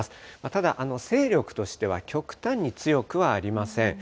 ただ、勢力としては極端に強くはありません。